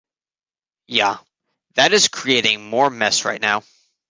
Ya. That is creating more mess right now.